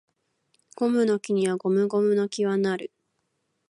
ゴムの木にゴムゴムの木は成る